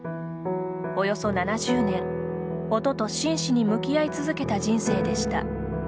およそ７０年、音と真摯に向き合い続けた人生でした。